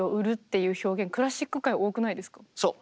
そう。